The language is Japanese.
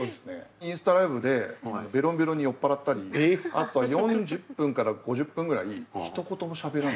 インスタライブでベロンベロンに酔っ払ったりあとは４０分から５０分ぐらいひと言もしゃべらない。